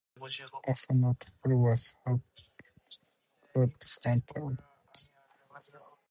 Also notable was how characters could counter or disrupt enemy attacks.